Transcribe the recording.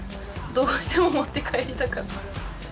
どうしても持って帰りたかった。